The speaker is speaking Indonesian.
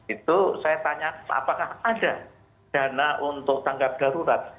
itu saya tanya apakah ada dana untuk tangkap garurat